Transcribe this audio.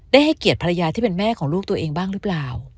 ให้เกียรติภรรยาที่เป็นแม่ของลูกตัวเองบ้างหรือเปล่า